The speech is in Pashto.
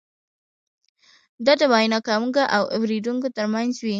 دا د وینا کوونکي او اورېدونکي ترمنځ وي.